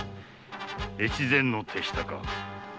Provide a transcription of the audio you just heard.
越前の手下か？